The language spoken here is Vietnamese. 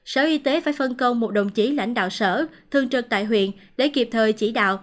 sở y tế phải phân công một đồng chí lãnh đạo sở thương trực tại huyện để kịp thời chỉ đạo